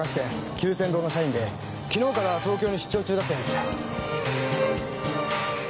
久泉堂の社員で昨日から東京に出張中だったようです。